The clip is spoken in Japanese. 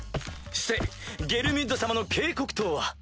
してゲルミュッド様の警告とは？